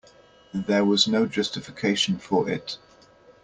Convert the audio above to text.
There was no justification for it.